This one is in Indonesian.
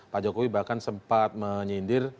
pak jokowi bahkan sempat menyindir